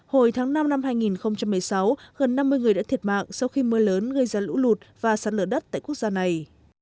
hồi tháng năm năm hai nghìn một mươi sáu gần năm mươi người đã thiệt mạng sau khi mưa lớn gây ra lũ lụt và sạt lở đất tại quốc gia này